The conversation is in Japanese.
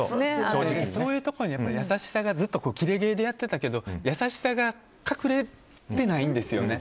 そういういところにずっとキレ芸でやってたけど優しさが隠れてないんですよね。